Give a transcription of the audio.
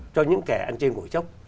cho những kẻ ăn trên ngồi chốc